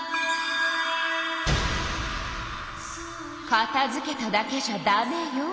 かたづけただけじゃダメよ。